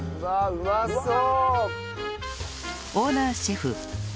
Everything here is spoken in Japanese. うまそう！